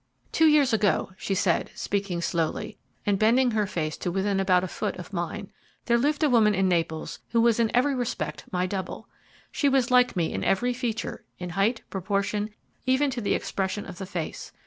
"'Two years ago,' she said, speaking slowly, and bending her face to within about a foot of mine, 'there lived a woman in Naples who was in every respect my double. She was like me in each feature, in height, proportion, even to the expression of the face.